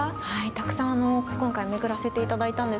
たくさん今回巡らせていただいたんですけど